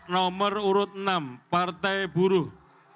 nomor urut enam partai buruh